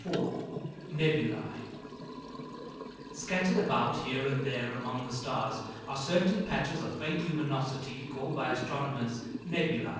] NEBULÆ Scattered about here and there among the stars are certain patches of faint luminosity called by astronomers Nebulæ.